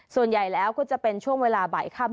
ส่วนใหญ่แล้วก็จะเป็นช่วงเวลาบ่ายค่ำ